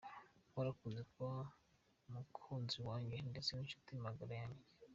Warakoze kuba umukunzi wanjye ndetse n’inshuti magara yanjye.